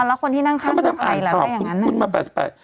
เอาละคนที่นั่งข้างคือใครละ